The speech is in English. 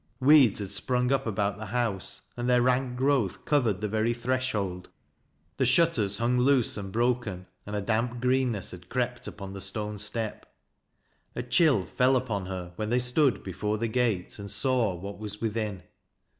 Weeds had sprung up about the house, anc' their rank growth covered the very threshold, the shutters hung loose and broken, and a damp greenness had crept npon the stone step. A chill fell upon her when they stood before the gate and saw what was within.